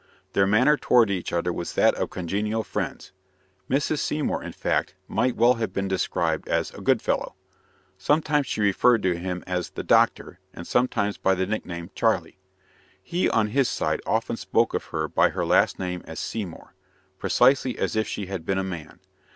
Their manner toward each other was that of congenial friends. Mrs. Seymour, in fact, might well have been described as "a good fellow." Sometimes she referred to him as "the doctor," and sometimes by the nickname "Charlie." He, on his side, often spoke of her by her last name as "Seymour," precisely as if she had been a man.